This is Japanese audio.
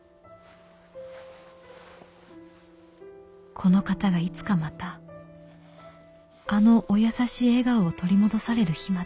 「この方がいつかまたあのお優しい笑顔を取り戻される日まで」。